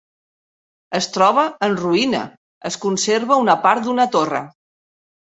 Es troba en ruïna, es conserva una part d'una torre.